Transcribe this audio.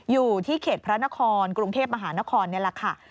อยู่ที่เขตพระนครกรุงเทพมหานครนี่แหละค่ะ